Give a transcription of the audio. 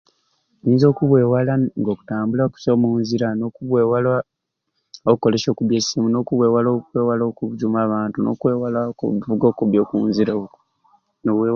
Nyinza okubwewala nga okutambula kusai omunzira nokumwewala okolesya okubi esimu nokubwewala okwewala okuzuma abantu nokwewala okuvuga okubi okunzira okwo nowewala.